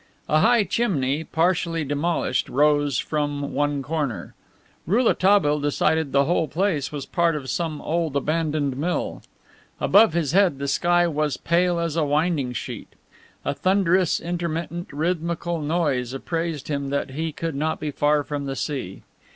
A high chimney, partially demolished, rose from one corner. Rouletabille decided the whole place was part of some old abandoned mill. Above his head the sky was pale as a winding sheet. A thunderous, intermittent, rhythmical noise appraised him that he could not be far from the sea.